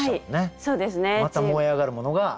そうですね。